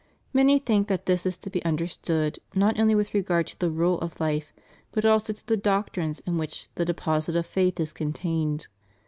Many think that this is to be understood not only with regard to the rule of life, but also to the doctrines in which the deposit of faith is contained.